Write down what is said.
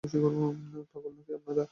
পাগল নাকি আপনারা?